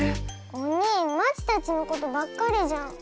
おにぃまちたちのことばっかりじゃん。